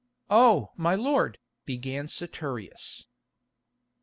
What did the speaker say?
"Oh! my lord," began Saturius.